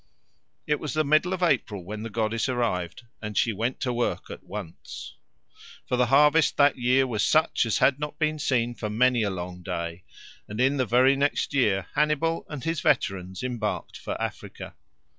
It was the middle of April when the goddess arrived, and she went to work at once. For the harvest that year was such as had not been seen for many a long day, and in the very next year Hannibal and his veterans embarked for Africa.